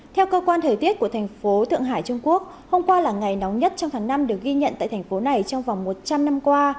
theo cơ quan thời tiết của thành phố thượng hải trung quốc hôm qua là ngày nóng nhất trong tháng năm được ghi nhận tại thành phố này trong vòng một trăm linh năm qua